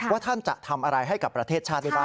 ท่านจะทำอะไรให้กับประเทศชาติได้บ้าง